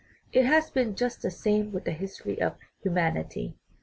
It has been just the same with the history of human ity.